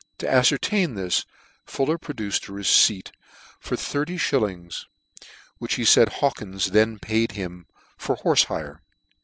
To afcertain this, Fuller produced a receipt for thirty fhillings, which he faid Hawkins then paid him for horfe hire.